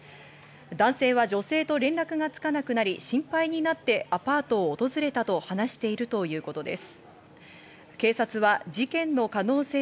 男性は女性と連絡がつかなくなり心配になってアパートを訪れたと話しているということです。